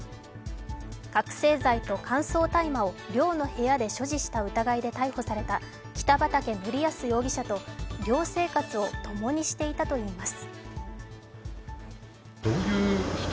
覚醒剤と乾燥大麻を寮の部屋で所持した疑いで逮捕された北畠成文容疑者と寮生活を共にしていたといいます。